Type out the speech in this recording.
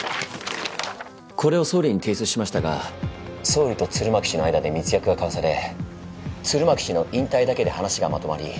これを総理に提出しましたが総理と鶴巻氏の間で密約が交わされ鶴巻氏の引退だけで話がまとまり